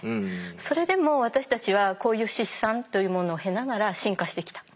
それでも私たちはこういう出産というものを経ながら進化してきた。